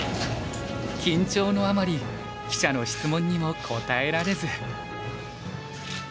緊張のあまり記者の質問にも答えられず。